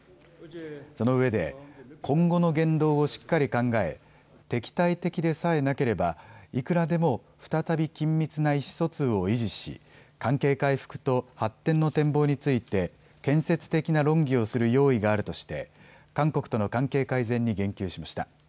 そのうえで今後の言動をしっかり考え敵対的でさえなければいくらでも再び緊密な意思疎通を維持し関係回復と発展の展望について建設的な論議をする用意があるとして韓国との関係改善に言及しました。